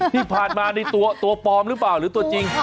ที่ผ่านมานี่ตัวปลอมหรือเปล่าหรือตัวจริง